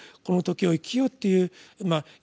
この「時」を生きようっていうまあ